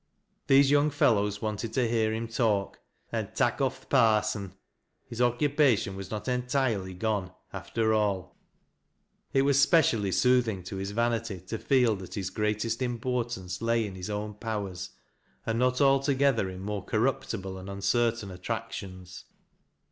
These young fellows wanted to hear him talk, and " tak' off th' parson." His occupation was not flhtirely gone, after all It was specially soothing to his vanity to feel that hit greatest importance lay in his own powers, and not a^to gcther in more corruptible and uncertain attractions.